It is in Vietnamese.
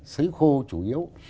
sấy khô chủ yếu